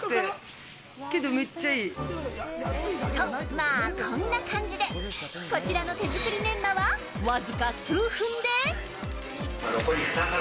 まあ、こんな感じでこちらの手作りメンマはわずか数分で。